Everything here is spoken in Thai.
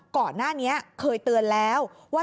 ก่อนหน้านี้เคยเตือนแล้วว่า